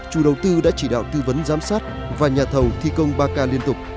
chủ đầu tư đã chỉ đạo tư vấn giám sát và nhà thầu thi công ba k liên tục